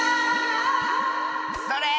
それ！